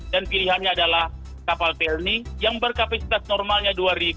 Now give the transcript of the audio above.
dan pilihannya adalah kapal pelni yang berkapasitas normalnya dua